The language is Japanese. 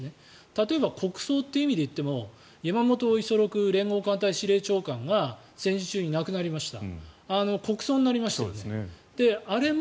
例えば国葬という意味で言っても山本五十六連合艦隊司令官が戦時中に亡くなりました。